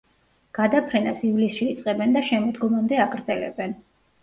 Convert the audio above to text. გადაფრენას ივლისში იწყებენ და შემოდგომამდე აგრძელებენ.